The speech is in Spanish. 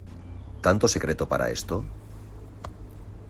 ¿ tanto secreto para esto?